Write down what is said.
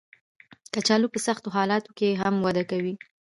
کچالو په سختو حالاتو کې هم وده کوي